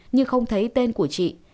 nhưng không thấy tên của chị